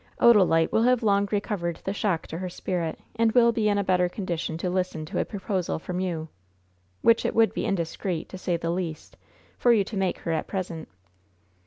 Odalite will have long recovered the shock to her spirit, and will be in a better condition to listen to a proposal from you, which it would be indiscreet, to say the least, for you to make her at present."